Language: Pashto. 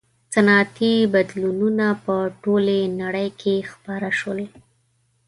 • صنعتي بدلونونه په ټولې نړۍ کې خپاره شول.